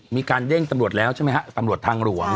มีการเด้งตำรวจแล้วใช่ไหมฮะตำรวจทางหลวง